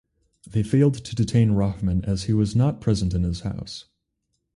They failed to detain Rahman as he was not present in his house.